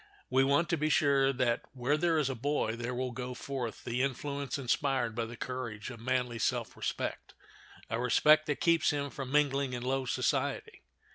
We want to be sure that where there is a boy there will go forth the influence inspired by the courage of manly self respect—a respect that keeps him from mingling in low society.